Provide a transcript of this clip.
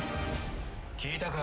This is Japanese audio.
聞いたか？